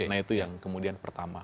nah itu yang kemudian pertama